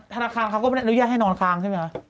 ธนาคารเขาก็ไม่อนุญาตให้นอนค้างใช่ไหมคะ